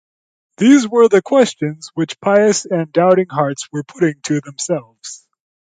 These were the questions which pious and doubting hearts were putting to themselves.